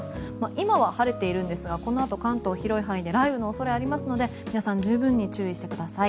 今は晴れているんですがこのあと、関東、広い範囲で雷雨の恐れがありますので皆さん十分に注意してください。